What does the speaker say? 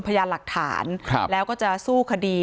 พยานหลักฐานแล้วก็จะสู้คดี